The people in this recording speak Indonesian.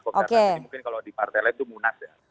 kongres ini mungkin kalau di partai lain itu munas ya